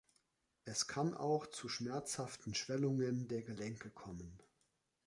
Es kann auch zu schmerzhaften Schwellungen der Gelenke kommen.